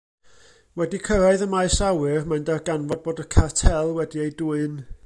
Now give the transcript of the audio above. Wedi cyrraedd y maes awyr mae'n darganfod bod y Cartel wedi ei dwyn.